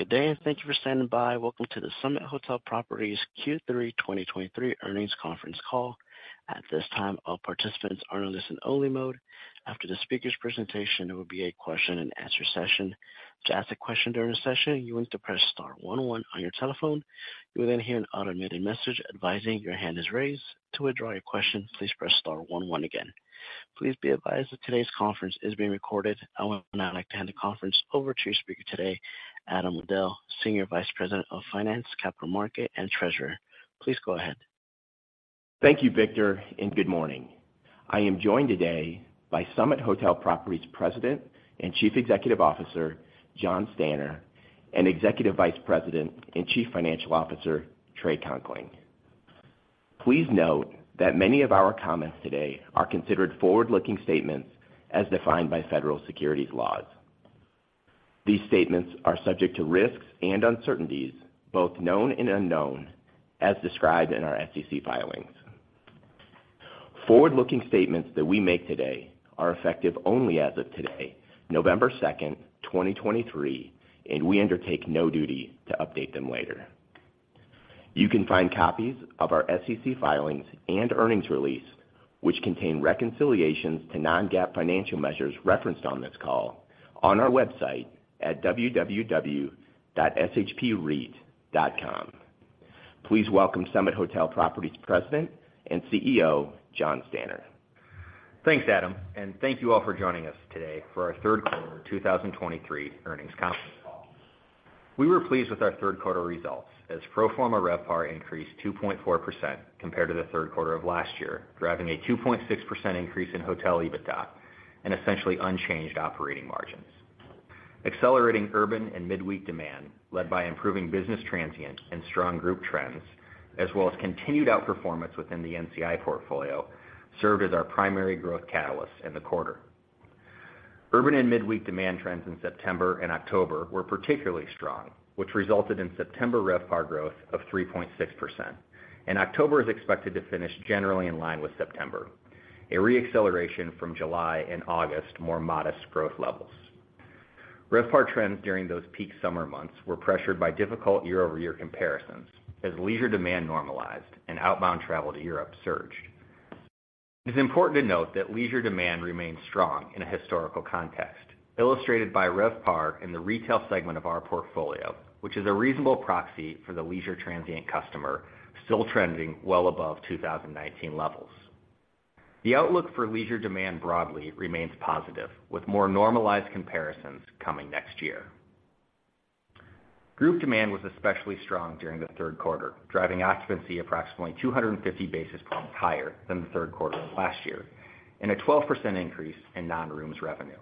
Good day, and thank you for standing by. Welcome to the Summit Hotel Properties Q3 2023 earnings conference call. At this time, all participants are in listen-only mode. After the speaker's presentation, there will be a question-and-answer session. To ask a question during the session, you want to press star one one on your telephone. You will then hear an automated message advising your hand is raised. To withdraw your question, please press star one one again. Please be advised that today's conference is being recorded. I would now like to hand the conference over to your speaker today, Adam Wudel, Senior Vice President of Finance, Capital Markets and Treasurer. Please go ahead. Thank you, Victor, and good morning. I am joined today by Summit Hotel Properties President and Chief Executive Officer, Jon Stanner, and Executive Vice President and Chief Financial Officer, Trey Conkling. Please note that many of our comments today are considered forward-looking statements as defined by federal securities laws. These statements are subject to risks and uncertainties, both known and unknown, as described in our SEC filings. Forward-looking statements that we make today are effective only as of today, November 2, 2023, and we undertake no duty to update them later. You can find copies of our SEC filings and earnings release, which contain reconciliations to non-GAAP financial measures referenced on this call, on our website at www.shpreit.com. Please welcome Summit Hotel Properties President and CEO, Jon Stanner. Thanks, Adam, and thank you all for joining us today for our Q3 2023 earnings conference call. We were pleased with our Q3 results, as pro forma RevPAR increased 2.4% compared to the Q3 of last year, driving a 2.6% increase in hotel EBITDA and essentially unchanged operating margins. Accelerating urban and midweek demand, led by improving business transient and strong group trends, as well as continued outperformance within the NCI portfolio, served as our primary growth catalyst in the quarter. Urban and midweek demand trends in September and October were particularly strong, which resulted in September RevPAR growth of 3.6%, and October is expected to finish generally in line with September, a reacceleration from July and August, more modest growth levels. RevPAR trends during those peak summer months were pressured by difficult year-over-year comparisons as leisure demand normalized and outbound travel to Europe surged. It is important to note that leisure demand remains strong in a historical context, illustrated by RevPAR in the retail segment of our portfolio, which is a reasonable proxy for the leisure transient customer, still trending well above 2019 levels. The outlook for leisure demand broadly remains positive, with more normalized comparisons coming next year. Group demand was especially strong during the Q3, driving occupancy approximately 250 basis points higher than the Q3 of last year and a 12% increase in non-rooms revenue.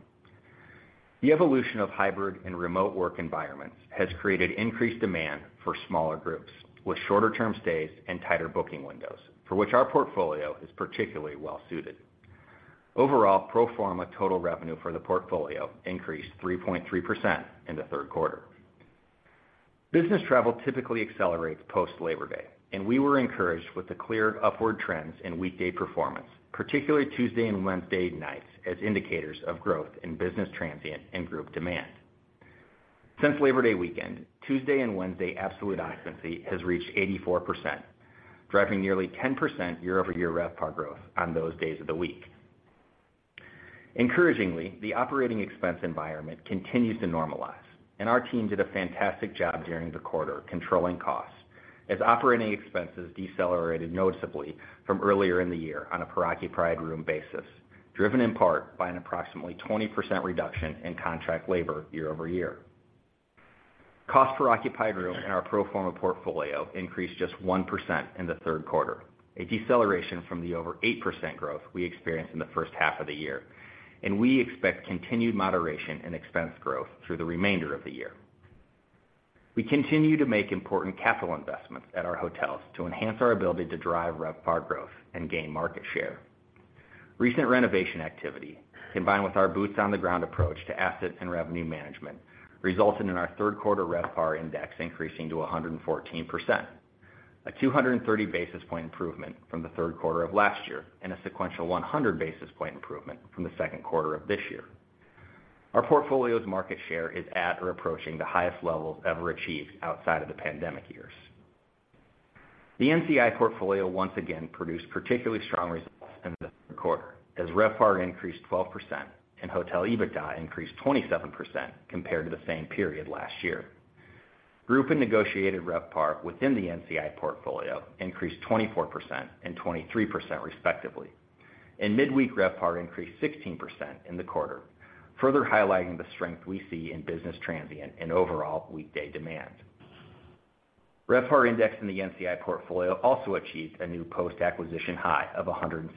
The evolution of hybrid and remote work environments has created increased demand for smaller groups with shorter-term stays and tighter booking windows, for which our portfolio is particularly well suited. Overall, Pro Forma total revenue for the portfolio increased 3.3% in the Q3. Business travel typically accelerates post-Labor Day, and we were encouraged with the clear upward trends in weekday performance, particularly Tuesday and Wednesday nights, as indicators of growth in business transient and group demand. Since Labor Day weekend, Tuesday and Wednesday, absolute occupancy has reached 84%, driving nearly 10% year-over-year RevPAR growth on those days of the week. Encouragingly, the operating expense environment continues to normalize, and our team did a fantastic job during the quarter, controlling costs, as operating expenses decelerated noticeably from earlier in the year on a per occupied room basis, driven in part by an approximately 20% reduction in contract labor year over year. Cost per occupied room in our pro forma portfolio increased just 1% in the Q3, a deceleration from the over 8% growth we experienced in the first half of the year, and we expect continued moderation in expense growth through the remainder of the year. We continue to make important capital investments at our hotels to enhance our ability to drive RevPAR growth and gain market share. Recent renovation activity, combined with our boots on the ground approach to asset and revenue management, resulted in our Q3 RevPAR index increasing to 114%, a 230 basis point improvement from the Q3 of last year, and a sequential 100 basis point improvement from the Q2 of this year. Our portfolio's market share is at or approaching the highest levels ever achieved outside of the pandemic years. The NCI Portfolio once again produced particularly strong results in the Q3, as RevPAR increased 12% and Hotel EBITDA increased 27% compared to the same period last year. Group and negotiated RevPAR within the NCI Portfolio increased 24% and 23%, respectively, and midweek RevPAR increased 16% in the quarter, further highlighting the strength we see in business transient and overall weekday demand. RevPAR Index in the NCI Portfolio also achieved a new post-acquisition high of 116%,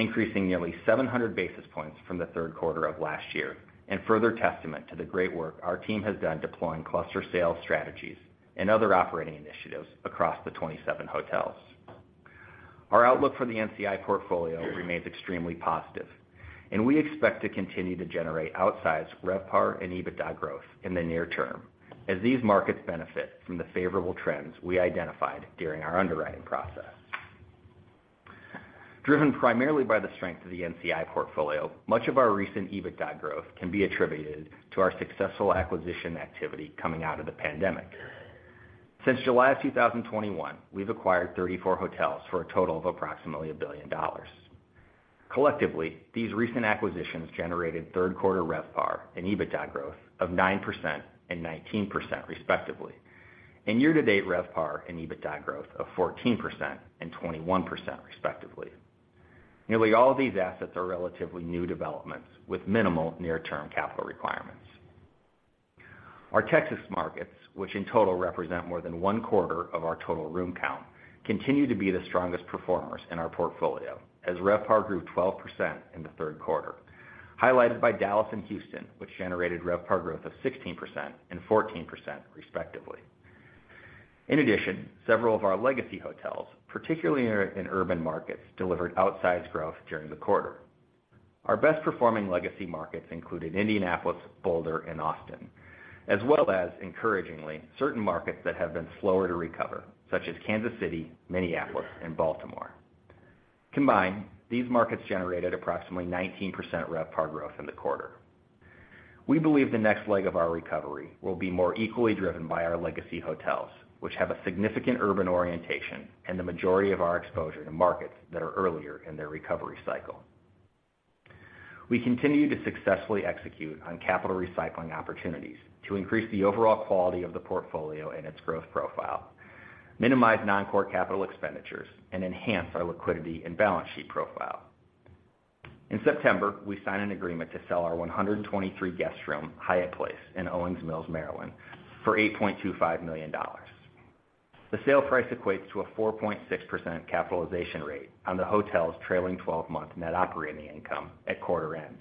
increasing nearly 700 basis points from the Q3 of last year and further testament to the great work our team has done deploying cluster sales strategies and other operating initiatives across the 27 hotels. Our outlook for the NCI portfolio remains extremely positive, and we expect to continue to generate outsized RevPAR and EBITDA growth in the near term, as these markets benefit from the favorable trends we identified during our underwriting process. Driven primarily by the strength of the NCI portfolio, much of our recent EBITDA growth can be attributed to our successful acquisition activity coming out of the pandemic. Since July 2021, we've acquired 34 hotels for a total of approximately $1 billion. Collectively, these recent acquisitions generated Q3 RevPAR and EBITDA growth of 9% and 19%, respectively, and year-to-date RevPAR and EBITDA growth of 14% and 21%, respectively. Nearly all of these assets are relatively new developments, with minimal near-term capital requirements. Our Texas markets, which in total represent more than one quarter of our total room count, continue to be the strongest performers in our portfolio, as RevPAR grew 12% in the Q3, highlighted by Dallas and Houston, which generated RevPAR growth of 16% and 14%, respectively. In addition, several of our legacy hotels, particularly in urban markets, delivered outsized growth during the quarter. Our best-performing legacy markets included Indianapolis, Boulder, and Austin, as well as, encouragingly, certain markets that have been slower to recover, such as Kansas City, Minneapolis, and Baltimore. Combined, these markets generated approximately 19% RevPAR growth in the quarter. We believe the next leg of our recovery will be more equally driven by our legacy hotels, which have a significant urban orientation and the majority of our exposure to markets that are earlier in their recovery cycle. We continue to successfully execute on capital recycling opportunities to increase the overall quality of the portfolio and its growth profile, minimize non-core capital expenditures, and enhance our liquidity and balance sheet profile. In September, we signed an agreement to sell our 123-guest room Hyatt Place in Owings Mills, Maryland, for $8.25 million. The sale price equates to a 4.6% capitalization rate on the hotel's trailing 12-month net operating income at quarter end,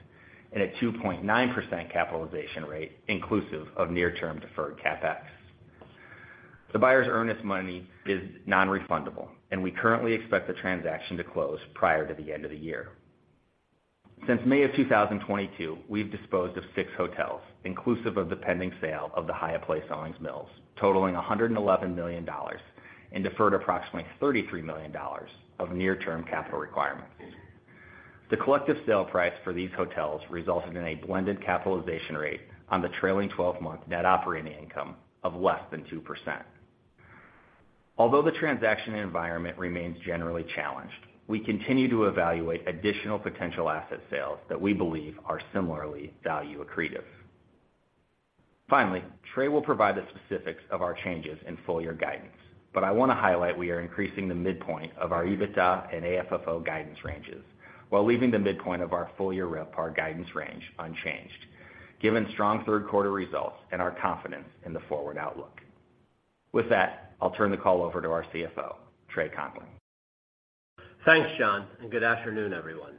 and a 2.9% capitalization rate, inclusive of near-term deferred CapEx. The buyer's earnest money is non-refundable, and we currently expect the transaction to close prior to the end of the year. Since May of 2022, we've disposed of six hotels, inclusive of the pending sale of the Hyatt Place Owings Mills, totaling $111 million, and deferred approximately $33 million of near-term capital requirements. The collective sale price for these hotels resulted in a blended capitalization rate on the trailing 12-month net operating income of less than 2%. Although the transaction environment remains generally challenged, we continue to evaluate additional potential asset sales that we believe are similarly value accretive. Finally, Trey will provide the specifics of our changes in full-year guidance, but I want to highlight we are increasing the midpoint of our EBITDA and AFFO guidance ranges, while leaving the midpoint of our full-year RevPAR guidance range unchanged, given strong Q3 results and our confidence in the forward outlook. With that, I'll turn the call over to our CFO, Trey Conkling. Thanks, Jon, and good afternoon, everyone.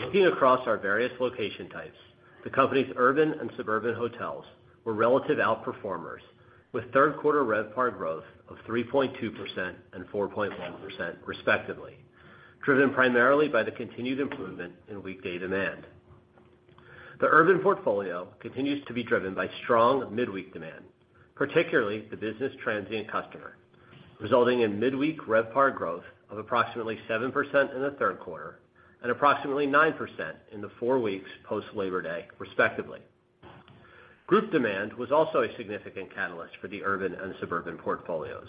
Looking across our various location types, the company's urban and suburban hotels were relative outperformers, with Q3 RevPAR growth of 3.2% and 4.1%, respectively, driven primarily by the continued improvement in weekday demand. The urban portfolio continues to be driven by strong midweek demand, particularly the business transient customer, resulting in midweek RevPAR growth of approximately 7% in the Q3 and approximately 9% in the four weeks post Labor Day, respectively. Group demand was also a significant catalyst for the urban and suburban portfolios,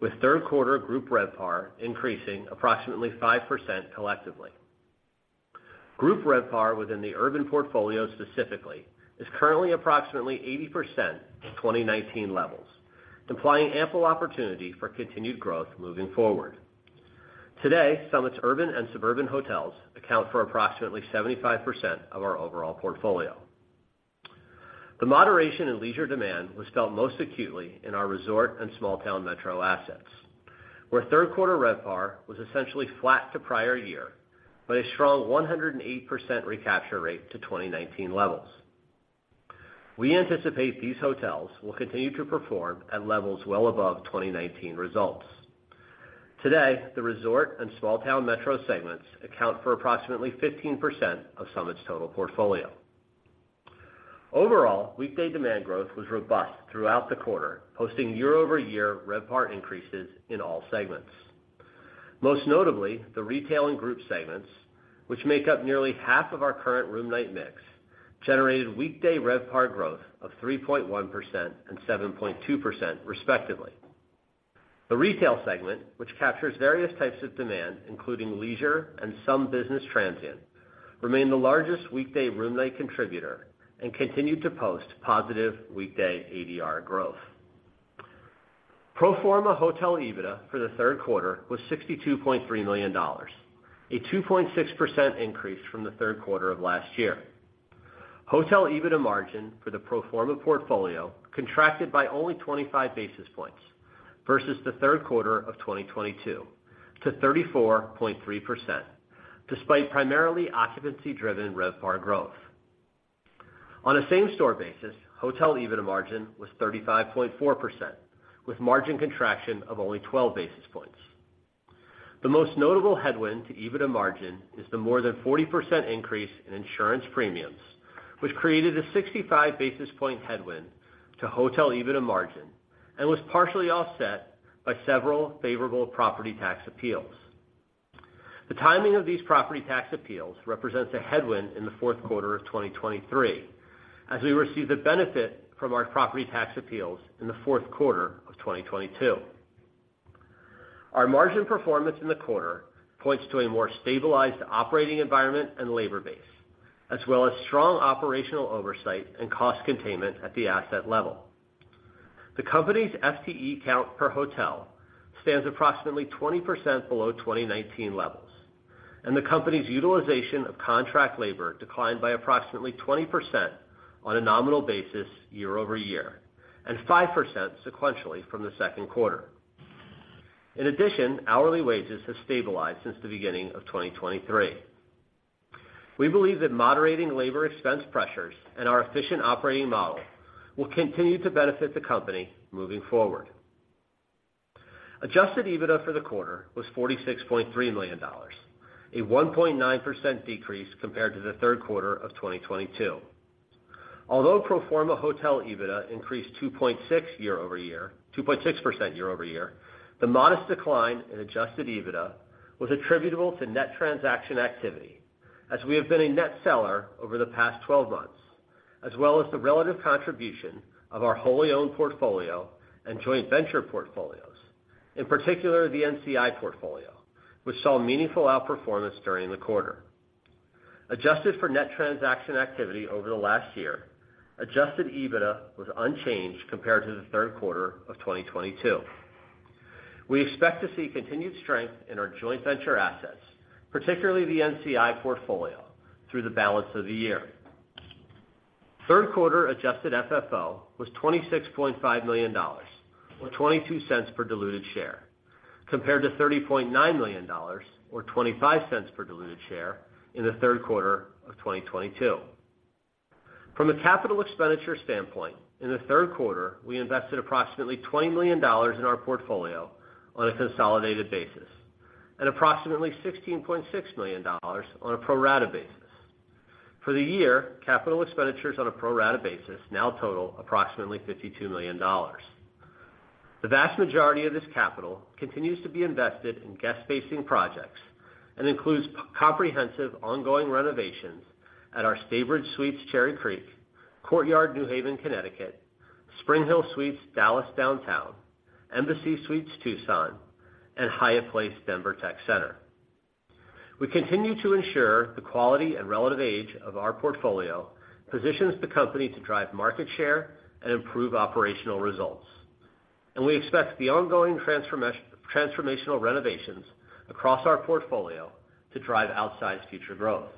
with Q3 group RevPAR increasing approximately 5% collectively. Group RevPAR within the urban portfolio specifically is currently approximately 80% of 2019 levels, implying ample opportunity for continued growth moving forward. Today, Summit's urban and suburban hotels account for approximately 75% of our overall portfolio. The moderation in leisure demand was felt most acutely in our resort and small town metro assets, where Q3 RevPAR was essentially flat to prior year, but a strong 108% recapture rate to 2019 levels. We anticipate these hotels will continue to perform at levels well above 2019 results. Today, the resort and small town metro segments account for approximately 15% of Summit's total portfolio. Overall, weekday demand growth was robust throughout the quarter, posting year-over-year RevPAR increases in all segments. Most notably, the retail and group segments, which make up nearly half of our current room night mix, generated weekday RevPAR growth of 3.1% and 7.2%, respectively. The retail segment, which captures various types of demand, including leisure and some business transient, remained the largest weekday room-night contributor and continued to post positive weekday ADR growth. Pro forma hotel EBITDA for the Q3 was $62.3 million, a 2.6% increase from the Q3 of last year. Hotel EBITDA margin for the pro forma portfolio contracted by only 25 basis points versus the Q3 of 2022 to 34.3%, despite primarily occupancy-driven RevPAR growth. On a same-store basis, hotel EBITDA margin was 35.4%, with margin contraction of only 12 basis points. The most notable headwind to EBITDA margin is the more than 40% increase in insurance premiums, which created a 65 basis point headwind to hotel EBITDA margin and was partially offset by several favorable property tax appeals. The timing of these property tax appeals represents a headwind in the Q4 of 2023, as we received the benefit from our property tax appeals in the Q4 of 2022. Our margin performance in the quarter points to a more stabilized operating environment and labor base, as well as strong operational oversight and cost containment at the asset level. The company's FTE count per hotel stands approximately 20% below 2019 levels, and the company's utilization of contract labor declined by approximately 20% on a nominal basis year-over-year, and 5% sequentially from the Q2. In addition, hourly wages have stabilized since the beginning of 2023. We believe that moderating labor expense pressures and our efficient operating model will continue to benefit the company moving forward. Adjusted EBITDA for the quarter was $46.3 million, a 1.9% decrease compared to the Q3 of 2022. Although Pro Forma Hotel EBITDA increased 2.6% year-over-year, the modest decline in Adjusted EBITDA was attributable to net transaction activity, as we have been a net seller over the past 12 months, as well as the relative contribution of our wholly owned portfolio and joint venture portfolios, in particular, the NCI Portfolio, which saw meaningful outperformance during the quarter. Adjusted for net transaction activity over the last year, Adjusted EBITDA was unchanged compared to the Q3 of 2022. We expect to see continued strength in our joint venture assets, particularly the NCI Portfolio, through the balance of the year. Q3 Adjusted FFO was $26.5 million, or $0.22 per diluted share, compared to $30.9 million, or $0.25 per diluted share in the Q3 of 2022. From a capital expenditure standpoint, in the Q3, we invested approximately $20 million in our portfolio on a consolidated basis and approximately $16.6 million on a pro rata basis. For the year, capital expenditures on a pro rata basis now total approximately $52 million. The vast majority of this capital continues to be invested in guest-facing projects and includes comprehensive, ongoing renovations at our Staybridge Suites Cherry Creek, Courtyard New Haven, Connecticut, SpringHill Suites Dallas Downtown, Embassy Suites Tucson, and Hyatt Place Denver Tech Center. We continue to ensure the quality and relative age of our portfolio positions the company to drive market share and improve operational results. We expect the ongoing transformational renovations across our portfolio to drive outsized future growth.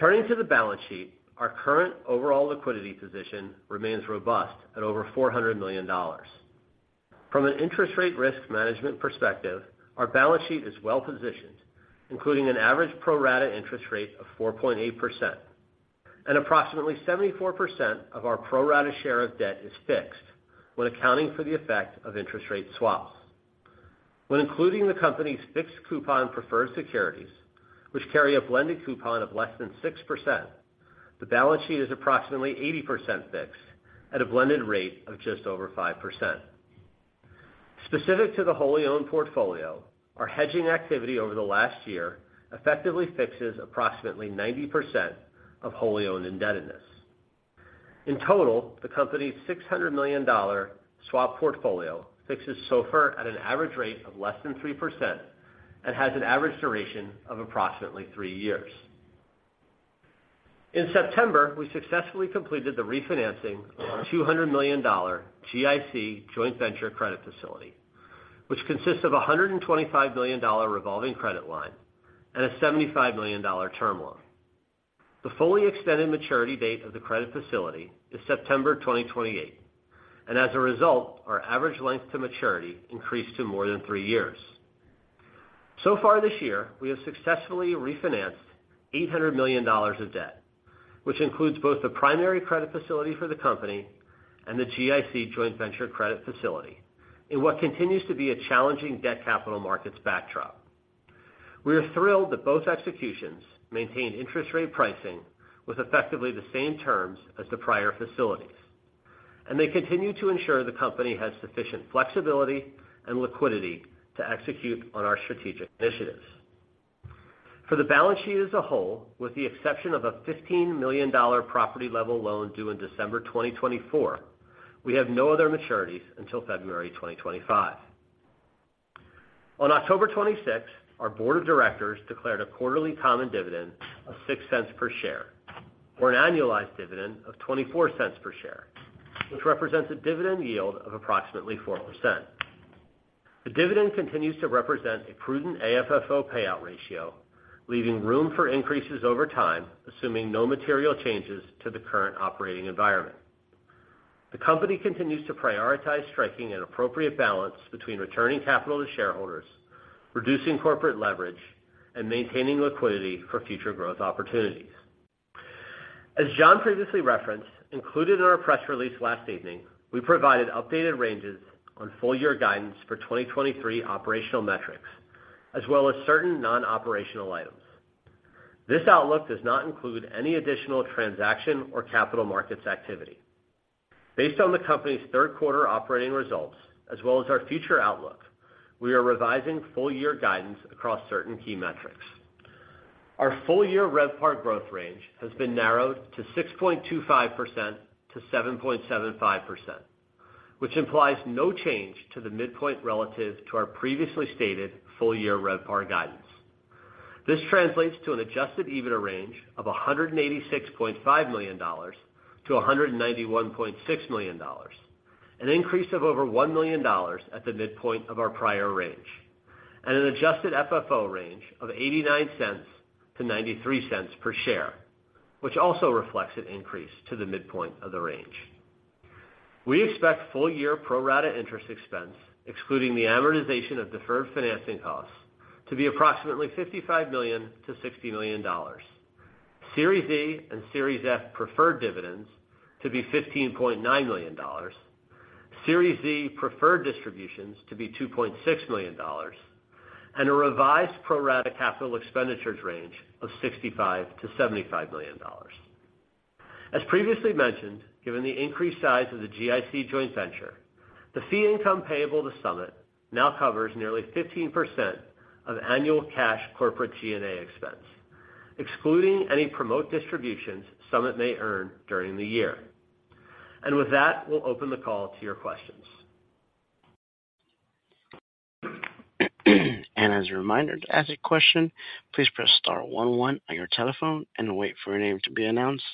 Turning to the balance sheet, our current overall liquidity position remains robust at over $400 million. From an interest rate risk management perspective, our balance sheet is well positioned, including an average pro rata interest rate of 4.8%, and approximately 74% of our pro rata share of debt is fixed when accounting for the effect of interest rate swaps. When including the company's fixed coupon preferred securities, which carry a blended coupon of less than 6%, the balance sheet is approximately 80% fixed at a blended rate of just over 5%. Specific to the wholly owned portfolio, our hedging activity over the last year effectively fixes approximately 90% of wholly owned indebtedness. In total, the company's $600 million swap portfolio fixes SOFR at an average rate of less than 3% and has an average duration of approximately three years. In September, we successfully completed the refinancing of our $200 million GIC joint venture credit facility, which consists of a $125 million revolving credit line and a $75 million term loan. The fully extended maturity date of the credit facility is September 2028, and as a result, our average length to maturity increased to more than three years. So far this year, we have successfully refinanced $800 million of debt, which includes both the primary credit facility for the company and the GIC joint venture credit facility, in what continues to be a challenging debt capital markets backdrop. We are thrilled that both executions maintained interest rate pricing with effectively the same terms as the prior facilities, and they continue to ensure the company has sufficient flexibility and liquidity to execute on our strategic initiatives. For the balance sheet as a whole, with the exception of a $15 million property-level loan due in December 2024, we have no other maturities until February 2025. On October 26, our board of directors declared a quarterly common dividend of $0.06 per share, or an annualized dividend of $0.24 per share, which represents a dividend yield of approximately 4%. The dividend continues to represent a prudent AFFO payout ratio, leaving room for increases over time, assuming no material changes to the current operating environment. The company continues to prioritize striking an appropriate balance between returning capital to shareholders, reducing corporate leverage, and maintaining liquidity for future growth opportunities. As Jon previously referenced, included in our press release last evening, we provided updated ranges on full year guidance for 2023 operational metrics. As well as certain non-operational items. This outlook does not include any additional transaction or capital markets activity. Based on the company's Q3 operating results, as well as our future outlook, we are revising full year guidance across certain key metrics. Our full year RevPAR growth range has been narrowed to 6.25%-7.75%, which implies no change to the midpoint relative to our previously stated full year RevPAR guidance. This translates to an Adjusted EBITDA range of $186.5 million-$191.6 million, an increase of over $1 million at the midpoint of our prior range, and an Adjusted FFO range of $0.89-$0.93 per share, which also reflects an increase to the midpoint of the range. We expect full year pro rata interest expense, excluding the amortization of deferred financing costs, to be approximately $55 million-$60 million. Series E and Series F preferred dividends to be $15.9 million, Series Z preferred distributions to be $2.6 million, and a revised pro rata capital expenditures range of $65 million-$75 million. As previously mentioned, given the increased size of the GIC joint venture, the fee income payable to Summit now covers nearly 15% of annual cash corporate G&A expense, excluding any promote distributions Summit may earn during the year. And with that, we'll open the call to your questions. As a reminder, to ask a question, please press star one one on your telephone and wait for your name to be announced.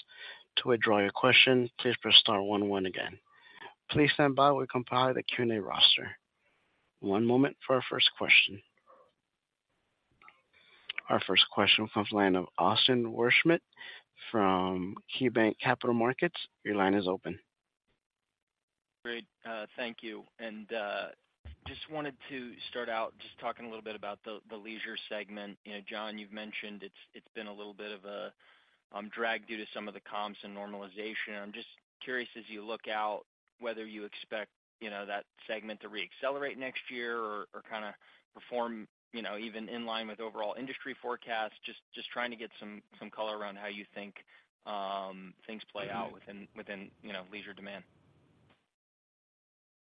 To withdraw your question, please press star one one again. Please stand by while we compile the Q&A roster. One moment for our first question. Our first question comes from the line of Austin Wurschmidt from KeyBanc Capital Markets. Your line is open. Great, thank you. Just wanted to start out just talking a little bit about the leisure segment. You know, Jon, you've mentioned it's been a little bit of a drag due to some of the comps and normalization. I'm just curious, as you look out, whether you expect, you know, that segment to reaccelerate next year or kind of perform, you know, even in line with overall industry forecasts? Just trying to get some color around how you think things play out within, you know, leisure demand.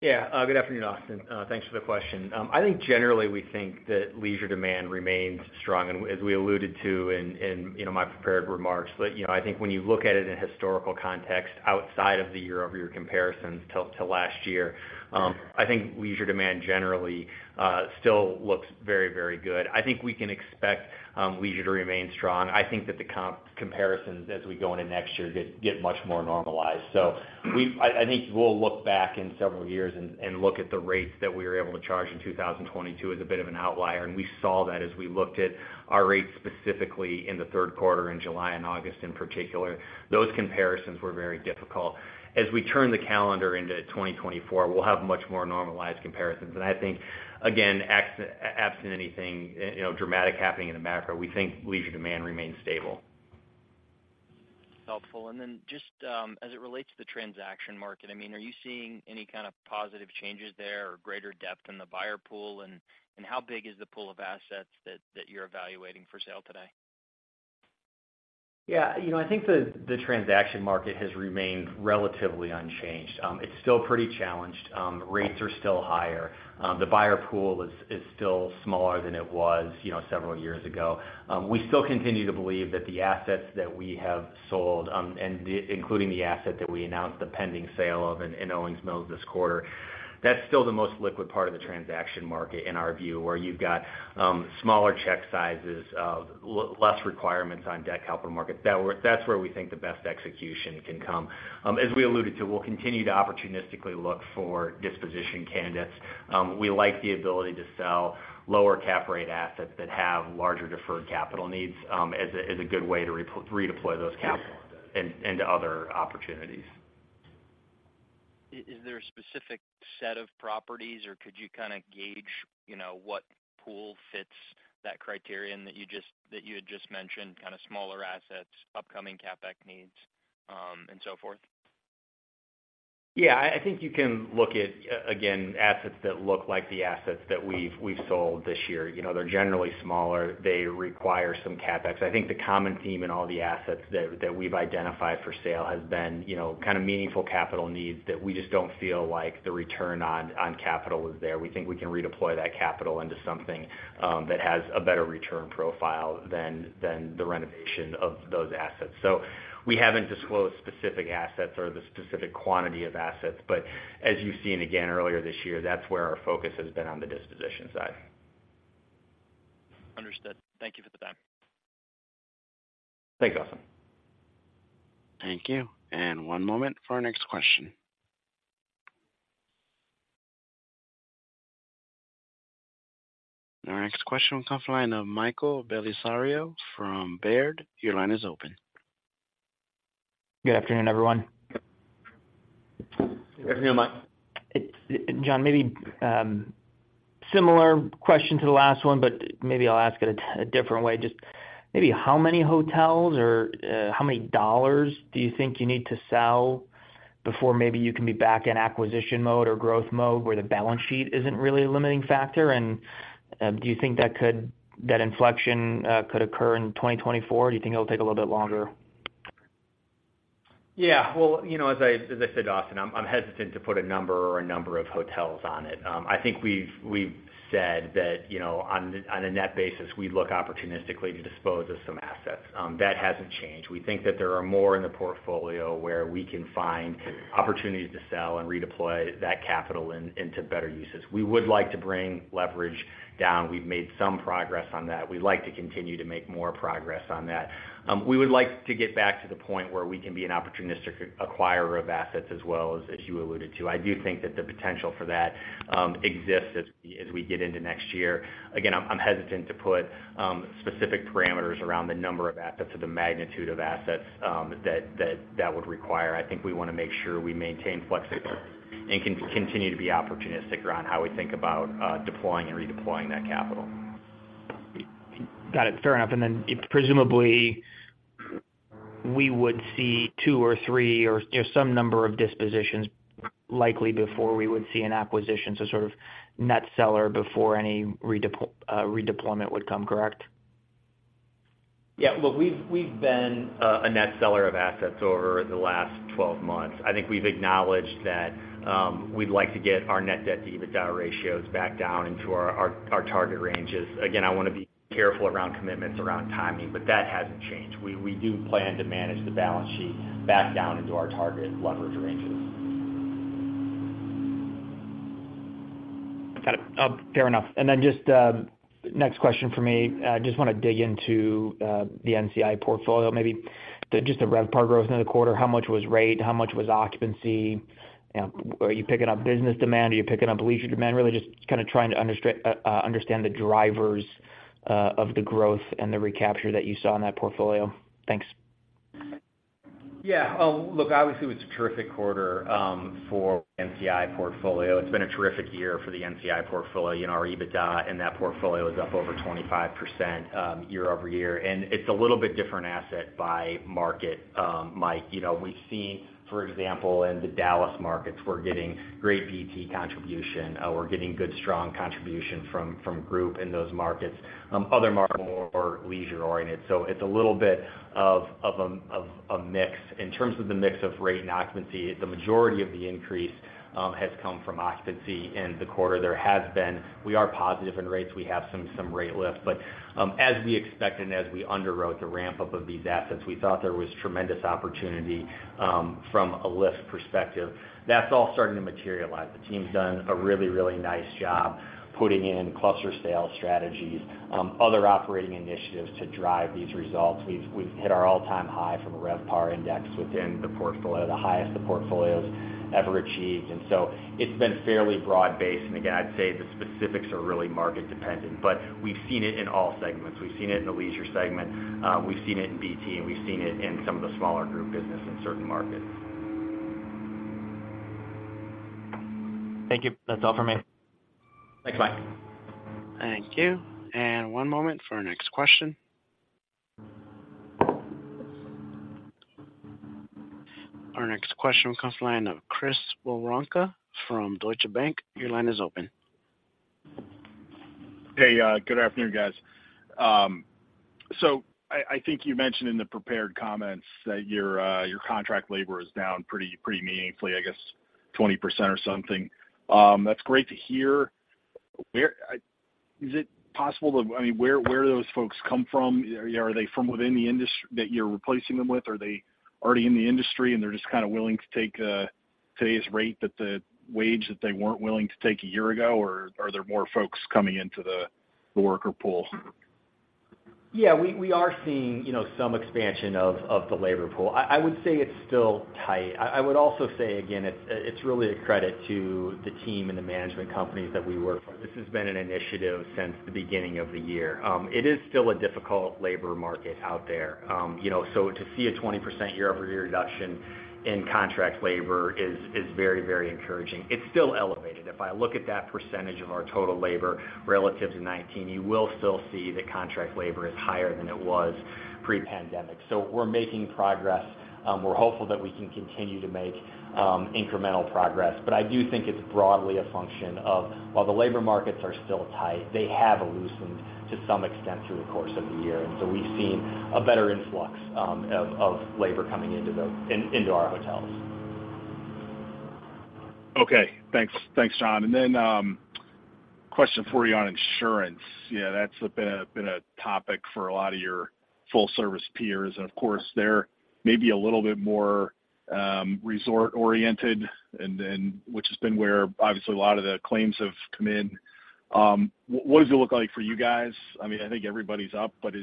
Yeah. Good afternoon, Austin. Thanks for the question. I think generally, we think that leisure demand remains strong. And as we alluded to in, you know, my prepared remarks, that, you know, I think when you look at it in historical context, outside of the year-over-year comparisons to last year, I think leisure demand generally still looks very, very good. I think we can expect leisure to remain strong. I think that the comp comparisons as we go into next year get much more normalized. So we I think we'll look back in several years and look at the rates that we were able to charge in 2022 as a bit of an outlier, and we saw that as we looked at our rates, specifically in the Q3, in July and August, in particular, those comparisons were very difficult. As we turn the calendar into 2024, we'll have much more normalized comparisons. And I think, again, absent anything, you know, dramatic happening in the macro, we think leisure demand remains stable. Helpful. Then just, as it relates to the transaction market, I mean, are you seeing any kind of positive changes there or greater depth in the buyer pool? And how big is the pool of assets that you're evaluating for sale today? Yeah, you know, I think the transaction market has remained relatively unchanged. It's still pretty challenged. Rates are still higher. The buyer pool is still smaller than it was, you know, several years ago. We still continue to believe that the assets that we have sold, and including the asset that we announced the pending sale of in Owings Mills this quarter, that's still the most liquid part of the transaction market, in our view, where you've got smaller check sizes, less requirements on debt capital markets. That's where we think the best execution can come. As we alluded to, we'll continue to opportunistically look for disposition candidates. We like the ability to sell lower cap rate assets that have larger deferred capital needs, as a good way to redeploy those capital into other opportunities. Is there a specific set of properties, or could you kind of gauge, you know, what pool fits that criterion that you just—that you had just mentioned, kind of smaller assets, upcoming CapEx needs, and so forth? Yeah, I think you can look at, again, assets that look like the assets that we've sold this year. You know, they're generally smaller. They require some CapEx. I think the common theme in all the assets that we've identified for sale has been, you know, kind of meaningful capital needs that we just don't feel like the return on capital is there. We think we can redeploy that capital into something that has a better return profile than the renovation of those assets. So we haven't disclosed specific assets or the specific quantity of assets, but as you've seen again earlier this year, that's where our focus has been on the disposition side. Understood. Thank you for the time. Thanks, Austin. Thank you, and one moment for our next question. Our next question comes from the line of Michael Bellisario from Baird. Your line is open. Good afternoon, everyone. Good afternoon, Mike. Jon, maybe similar question to the last one, but maybe I'll ask it a different way. Maybe how many hotels or how many dollars do you think you need to sell before maybe you can be back in acquisition mode or growth mode, where the balance sheet isn't really a limiting factor? And do you think that inflection could occur in 2024? Do you think it'll take a little bit longer? Yeah. Well, you know, as I said, Austin, I'm hesitant to put a number or a number of hotels on it. I think we've said that, you know, on a net basis, we look opportunistically to dispose of some assets. That hasn't changed. We think that there are more in the portfolio where we can find opportunities to sell and redeploy that capital into better uses. We would like to bring leverage down. We've made some progress on that. We'd like to continue to make more progress on that. We would like to get back to the point where we can be an opportunistic acquirer of assets as well, as you alluded to. I do think that the potential for that exists as we get into next year. Again, I'm hesitant to put specific parameters around the number of assets or the magnitude of assets that would require. I think we want to make sure we maintain flexibility and continue to be opportunistic around how we think about deploying and redeploying that capital. Got it. Fair enough. And then, presumably, we would see two or three or, you know, some number of dispositions likely before we would see an acquisition, so sort of net seller before any redeployment would come, correct? Yeah. Look, we've, we've been a net seller of assets over the last 12 months. I think we've acknowledged that, we'd like to get our net debt to EBITDA ratios back down into our, our, our target ranges. Again, I want to be careful around commitments around timing, but that hasn't changed. We, we do plan to manage the balance sheet back down into our target leverage ranges. Got it. Fair enough. And then just, next question for me. Just want to dig into the NCI Portfolio. Maybe the, just the RevPAR growth in the quarter. How much was rate? How much was occupancy? You know, are you picking up business demand? Are you picking up leisure demand? Really just kind of trying to understand the drivers of the growth and the recapture that you saw in that portfolio. Thanks. Yeah. Look, obviously, it was a terrific quarter for NCI portfolio. It's been a terrific year for the NCI portfolio. You know, our EBITDA in that portfolio is up over 25%, year-over-year, and it's a little bit different asset by market, Mike. You know, we've seen, for example, in the Dallas markets, we're getting great BT contribution, we're getting good, strong contribution from group in those markets. Other markets are more leisure oriented, so it's a little bit of a mix. In terms of the mix of rate and occupancy, the majority of the increase has come from occupancy in the quarter. There has been... We are positive in rates. We have some rate lifts, but as we expected and as we underwrote the ramp-up of these assets, we thought there was tremendous opportunity from a lift perspective. That's all starting to materialize. The team's done a really, really nice job putting in cluster sales strategies, other operating initiatives to drive these results. We've hit our all-time high from a RevPAR index within the portfolio, the highest the portfolio's ever achieved, and so it's been fairly broad-based. And again, I'd say the specifics are really market dependent, but we've seen it in all segments. We've seen it in the leisure segment, we've seen it in BT, and we've seen it in some of the smaller group business in certain markets. Thank you. That's all for me. Thanks, Mike. Thank you. One moment for our next question. Our next question comes from the line of Chris Woronka from Deutsche Bank. Your line is open. Hey, good afternoon, guys. So I think you mentioned in the prepared comments that your contract labor is down pretty meaningfully, I guess 20% or something. That's great to hear. Where is it possible to... I mean, where do those folks come from? Are they from within the industry that you're replacing them with, or are they already in the industry, and they're just kind of willing to take today's rate, that's the wage that they weren't willing to take a year ago, or are there more folks coming into the worker pool? Yeah, we are seeing, you know, some expansion of the labor pool. I would say it's still tight. I would also say, again, it's really a credit to the team and the management companies that we work for. This has been an initiative since the beginning of the year. It is still a difficult labor market out there. You know, so to see a 20% year-over-year reduction in contract labor is very, very encouraging. It's still elevated. If I look at that percentage of our total labor relative to 2019, you will still see that contract labor is higher than it was pre-pandemic. So we're making progress. We're hopeful that we can continue to make incremental progress, but I do think it's broadly a function of while the labor markets are still tight, they have loosened to some extent through the course of the year, and so we've seen a better influx of labor coming into our hotels. Okay. Thanks. Thanks, Jon. And then, question for you on insurance. Yeah, that's been a topic for a lot of your full-service peers. And of course, they're maybe a little bit more resort-oriented, and then, which has been where, obviously, a lot of the claims have come in. What does it look like for you guys? I mean, I think everybody's up, but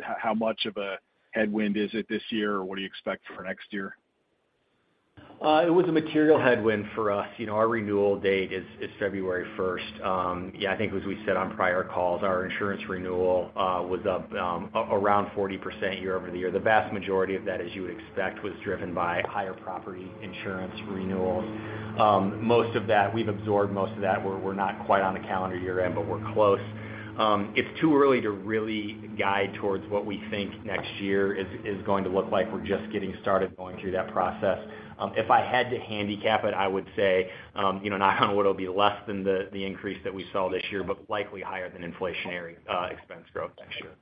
how much of a headwind is it this year, or what do you expect for next year? It was a material headwind for us. You know, our renewal date is February first. Yeah, I think as we said on prior calls, our insurance renewal was up around 40% year-over-year. The vast majority of that, as you would expect, was driven by higher property insurance renewals. Most of that, we've absorbed most of that. We're not quite on a calendar year end, but we're close. It's too early to really guide towards what we think next year is going to look like. We're just getting started going through that process. If I had to handicap it, I would say, you know, not only would it be less than the increase that we saw this year, but likely higher than inflationary expense growth next year.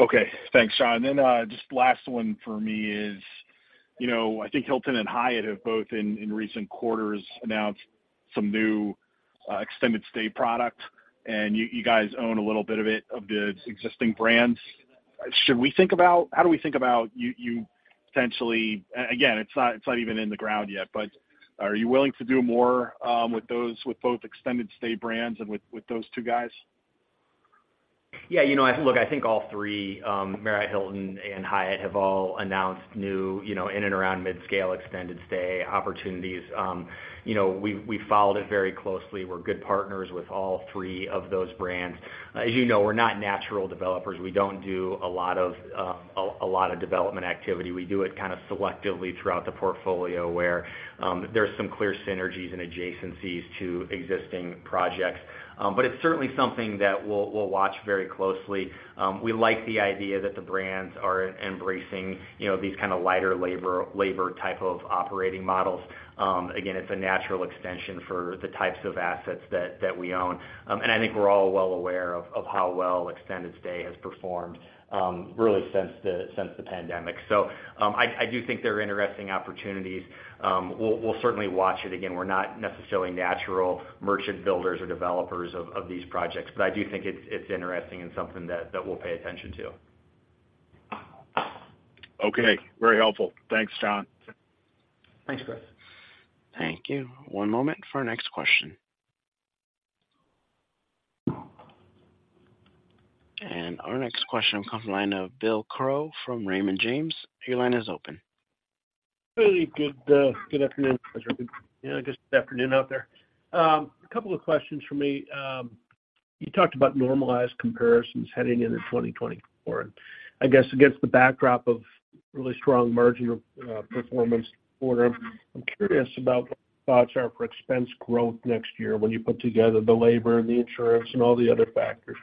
Okay, thanks, Jon. Then, just last one for me is, you know, I think Hilton and Hyatt have both in recent quarters announced some new extended stay product, and you guys own a little bit of it, of the existing brands. Should we think about how we think about you potentially again, it's not even in the ground yet, but are you willing to do more with those, with both extended stay brands and with those two guys? Yeah, you know, look, I think all three, Marriott, Hilton, and Hyatt have all announced new, you know, in and around mid-scale extended stay opportunities. You know, we've followed it very closely. We're good partners with all three of those brands. As you know, we're not natural developers. We don't do a lot of a lot of development activity. We do it kind of selectively throughout the portfolio, where there's some clear synergies and adjacencies to existing projects. But it's certainly something that we'll watch very closely. We like the idea that the brands are embracing, you know, these kind of lighter labor type of operating models. Again, it's a natural extension for the types of assets that we own. I think we're all well aware of how well extended stay has performed, really since the pandemic. I do think there are interesting opportunities. We'll certainly watch it. Again, we're not necessarily natural merchant builders or developers of these projects, but I do think it's interesting and something that we'll pay attention to. Okay. Very helpful. Thanks, Jon. Thanks, Chris. Thank you. One moment for our next question. Our next question comes from the line of Bill Crow from Raymond James. Your line is open. Hey, good afternoon, everyone. Yeah, I guess good afternoon out there. A couple of questions for me. You talked about normalized comparisons heading into 2024. I guess against the backdrop of really strong margin performance quarter, I'm curious about what your thoughts are for expense growth next year when you put together the labor, the insurance, and all the other factors.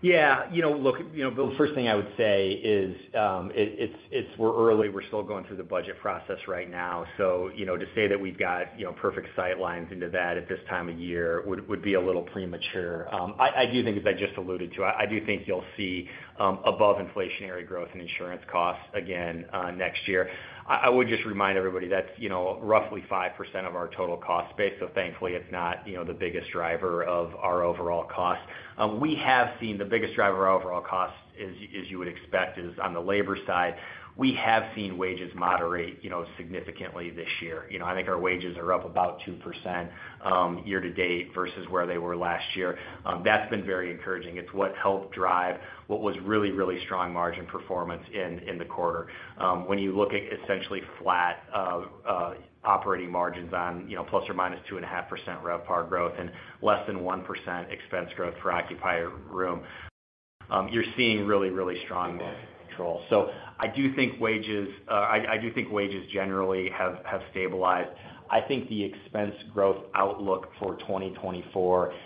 Yeah, you know, look, you know, Bill, the first thing I would say is, we're early. We're still going through the budget process right now. So, you know, to say that we've got, you know, perfect sight lines into that at this time of year, would be a little premature. I do think, as I just alluded to, I do think you'll see above inflationary growth in insurance costs again next year. I would just remind everybody that's, you know, roughly 5% of our total cost base, so thankfully, it's not, you know, the biggest driver of our overall costs. We have seen the biggest driver of our overall costs, as you would expect, is on the labor side. We have seen wages moderate, you know, significantly this year. You know, I think our wages are up about 2% year to date versus where they were last year. That's been very encouraging. It's what helped drive what was really, really strong margin performance in the quarter. When you look at essentially flat operating margins on, you know, plus or minus 2.5% RevPAR growth and less than 1% expense growth for occupied room, you're seeing really, really strong cost control. So I do think wages, I do think wages generally have stabilized. I think the expense growth outlook for 2024 is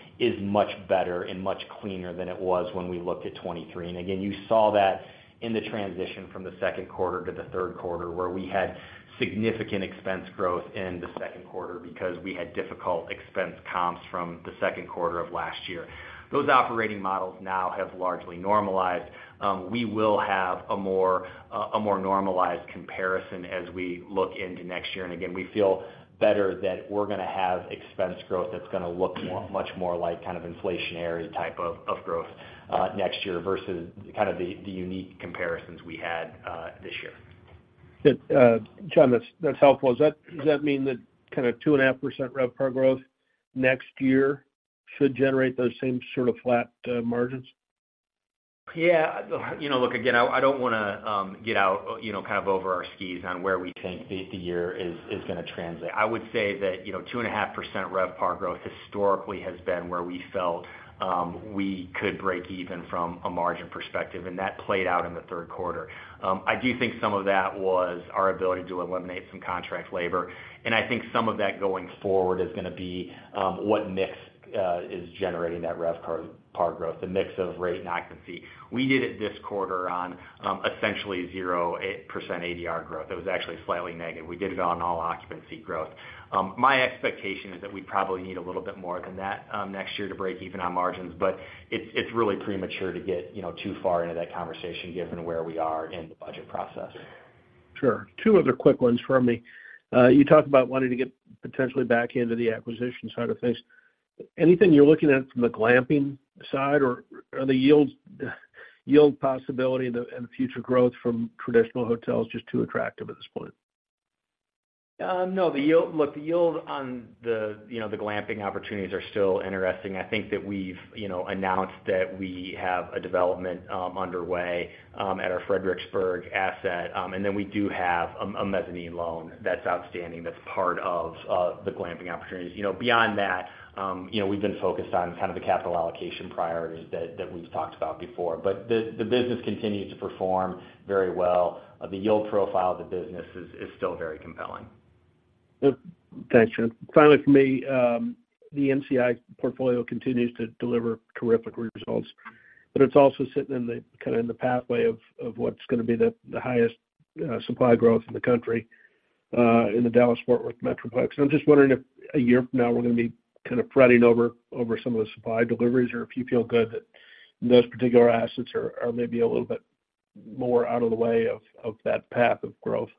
much better and much cleaner than it was when we looked at 2023. Again, you saw that in the transition from the Q2 to the Q3, where we had significant expense growth in the Q2 because we had difficult expense comps from the Q2 of last year. Those operating models now have largely normalized. We will have a more normalized comparison as we look into next year. Again, we feel better that we're gonna have expense growth that's gonna look much more like kind of inflationary type of growth next year versus kind of the unique comparisons we had this year. Good. Jon, that's, that's helpful. Does that, does that mean that kind of 2.5% RevPAR growth next year should generate those same sort of flat margins? Yeah. You know, look, again, I don't wanna get out, you know, kind of over our skis on where we think the year is gonna translate. I would say that, you know, 2.5% RevPAR growth historically has been where we felt we could break even from a margin perspective, and that played out in the Q3. I do think some of that was our ability to eliminate some contract labor, and I think some of that going forward is gonna be what mix is generating that RevPAR growth, the mix of rate and occupancy. We did it this quarter on essentially 0.8% ADR growth. It was actually slightly negative. We did it on all occupancy growth. My expectation is that we probably need a little bit more than that, next year to break even on margins, but it's, it's really premature to get, you know, too far into that conversation, given where we are in the budget process. Sure. Two other quick ones for me. You talked about wanting to get potentially back into the acquisition side of things. Anything you're looking at from the glamping side, or are the yields, yield possibility and the future growth from traditional hotels just too attractive at this point? No, the yield. Look, the yield on the, you know, the glamping opportunities are still interesting. I think that we've, you know, announced that we have a development underway at our Fredericksburg asset, and then we do have a mezzanine loan that's outstanding, that's part of the glamping opportunities. You know, beyond that, you know, we've been focused on kind of the capital allocation priorities that we've talked about before. But the business continues to perform very well. The yield profile of the business is still very compelling. Thanks, Jon. Finally, for me, the NCI portfolio continues to deliver terrific results, but it's also sitting in the kind of pathway of what's gonna be the highest supply growth in the country, in the Dallas-Fort Worth metroplex. I'm just wondering if a year from now, we're gonna be kind of fretting over some of the supply deliveries, or if you feel good that those particular assets are maybe a little bit more out of the way of that path of growth?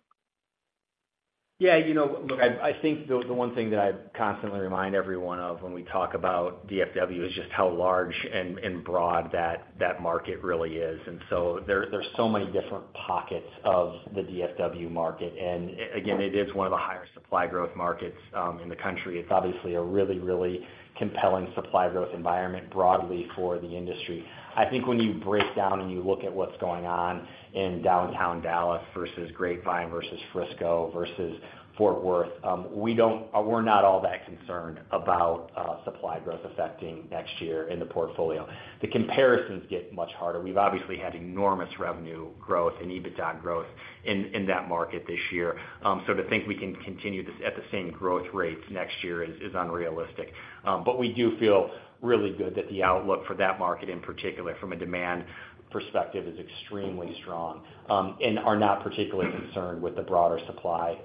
Yeah, you know, look, I think the one thing that I constantly remind everyone of when we talk about DFW is just how large and broad that market really is. And so there, there's so many different pockets of the DFW market, and again, it is one of the higher supply growth markets in the country. It's obviously a really, really compelling supply growth environment broadly for the industry. I think when you break down and you look at what's going on in downtown Dallas versus Grapevine, versus Frisco, versus Fort Worth, we don't-- we're not all that concerned about supply growth affecting next year in the portfolio. The comparisons get much harder. We've obviously had enormous revenue growth and EBITDA growth in that market this year. So to think we can continue this at the same growth rates next year is unrealistic. But we do feel really good that the outlook for that market, in particular, from a demand perspective, is extremely strong, and are not particularly concerned with the broader supply,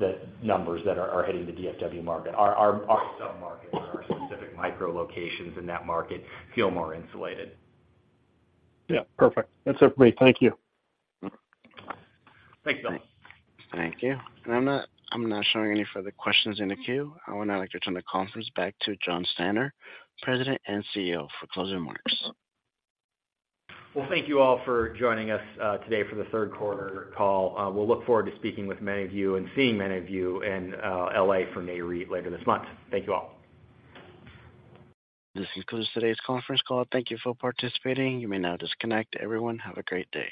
the numbers that are hitting the DFW market. Our sell markets and our specific micro locations in that market feel more insulated. Yeah, perfect. That's it for me. Thank you. Thanks, Bill. Thank you. I'm not showing any further questions in the queue. I would now like to return the conference back to Jon Stanner, President and CEO, for closing remarks. Well, thank you all for joining us today for the Q3 call. We'll look forward to speaking with many of you and seeing many of you in L.A. for NAREIT later this month. Thank you all. This concludes today's conference call. Thank you for participating. You may now disconnect. Everyone, have a great day.